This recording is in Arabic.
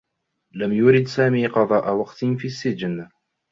لم يرد سامي قضاء وقت في السّجن.